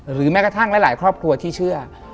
แม้กระทั่งหลายครอบครัวที่เชื่อ